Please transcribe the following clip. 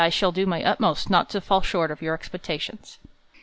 37 1 shall do my utmost not to fall short of your expecta tions.